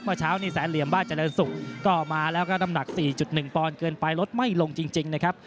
เมื่อเช้านี่แสนเหลี่ยมบ้านเจริญศุกร์ก็มาแล้วก็น้ำหนัก๔๑ปอนด์เกินไปลดไม่ลงจริงนะครับ